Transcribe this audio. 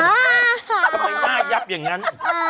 ทำไมหน้ายับอย่างนั้น